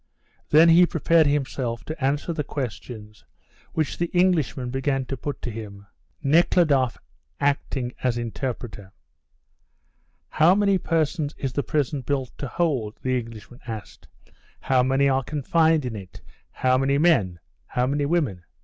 Then he prepared himself to answer the questions which the Englishman began to put to him, Nekhludoff acting as interpreter. "How many persons is the prison built to hold?" the Englishman asked. "How many are confined in it? How many men? How many women?